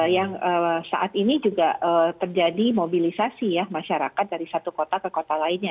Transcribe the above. yang saat ini juga terjadi mobilisasi ya masyarakat dari satu kota ke kota lainnya